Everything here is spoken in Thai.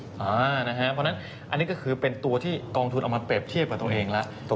เพราะฉะนั้นอันนี้ก็คือเป็นตัวที่กองทุนเอามาเปรียบเทียบกับตัวเองแล้ว